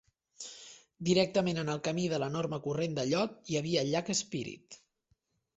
Directament en el camí de l'enorme corrent de llot hi havia el llac Spirit.